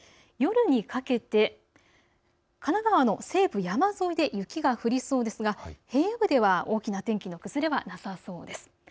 夜にかけて神奈川の西部山沿いで雪が降りそうですが平野部では大きな天気の崩れはなさそうです。